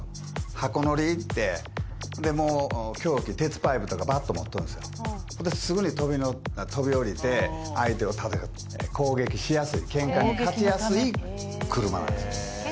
ハコ乗りいってでもう凶器鉄パイプとかバット持っとんですよですぐに飛び降りて相手をたたく攻撃しやすいケンカに勝ちやすい車なんですよ